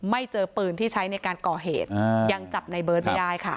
เจอปืนที่ใช้ในการก่อเหตุยังจับในเบิร์ตไม่ได้ค่ะ